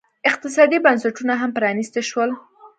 اقتصادي بنسټونه هم پرانیستي شول.